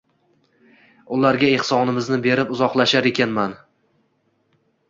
Ularga ehsonimizni berib, uzoqlashar ekanman